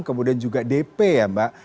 kemudian juga dp ya mbak